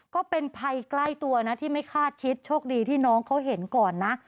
ก็เป็นภัยใกล้ตัวนะที่ไม่คาดคิดโชคดีที่น้องเขาเห็นก่อนนะ